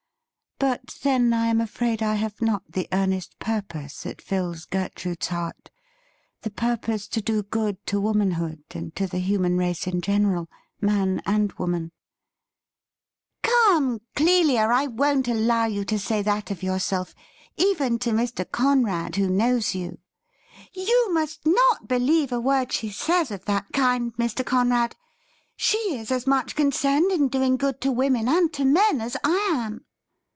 But, then, I am afraid I have not the earnest purpose that fills Gertrude's heart — the purpose to do good to womanhood and to the human race in general, man and woman.' ' Come, Clelia, I won't allow you to say that of yourself JIM IS AN UNWELCOME MESSENGER 201 — even to Mr. Conrad, who knows you. You must not believe a word she says of that kind, Mr. Conrad. She is as much concerned in doing good to women and to men as I am.